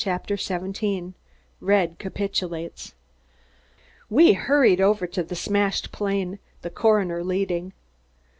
CHAPTER SEVENTEEN RED CAPITULATES We hurried over to the smashed plane, the coroner leading.